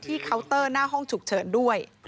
เคาน์เตอร์หน้าห้องฉุกเฉินด้วย